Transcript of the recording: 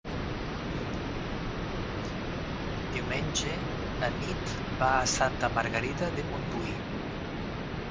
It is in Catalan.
Diumenge na Nit va a Santa Margarida de Montbui.